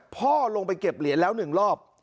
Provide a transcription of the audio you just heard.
พ่อลงไปเก็บเหรียญแล้ว๑รอบ